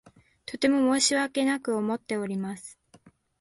とても申し訳なく思っております。